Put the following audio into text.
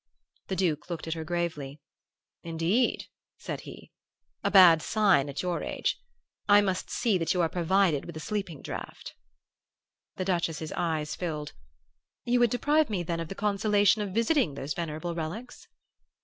"The Duke looked at her gravely. 'Indeed?' said he. 'A bad sign at your age. I must see that you are provided with a sleeping draught.' "The Duchess's eyes filled. 'You would deprive me, then, of the consolation of visiting those venerable relics?